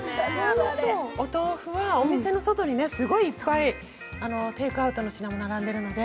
お豆腐はお店の外にすごいいっぱいテイクアウトの品物が並んでいるので。